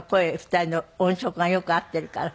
２人の音色がよく合ってるから。